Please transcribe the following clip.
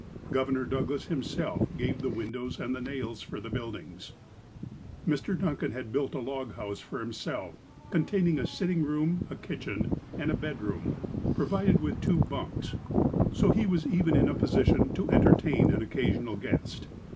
Governor Douglas himself gave the windows and the nails for the buildings. Mr. Duncan had built a log house for himself, contain ing a sitting room, a kitchen and a bedroom, provided with two bunks, so he even was in a position to enter tain an occasional guest.